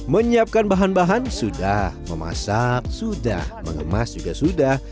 menyiapkan bahan bahan sudah memasak sudah mengemas juga sudah